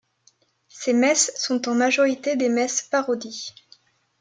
Ses messes sont en majorité des messes parodies.